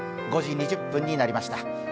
５時２０分になりました。